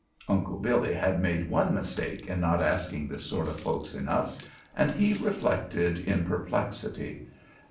Uncle Billy had made one mistake in not asking this sort of folks enough, and he reflected in perplexity.